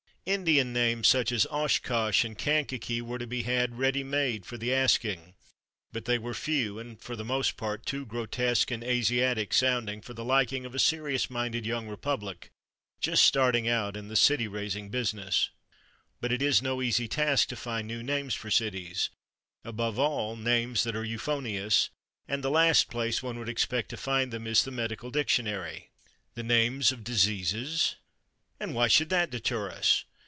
Indian names such as Oshkosh and Kankakee were to be had ready made for the asking; but they were few and for the most part too grotesque and Asiatic sounding for the liking of a serious minded young republic just starting out in the city raising business. But it is no easy task to find new names for cities, above all names that are euphonious, and the last place one would expect to find them is the Medical Dictionary. The names of diseases? And why should that deter us?